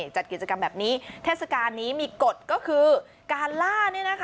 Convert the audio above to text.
จัดกิจกรรมแบบนี้เทศกาลนี้มีกฎก็คือการล่า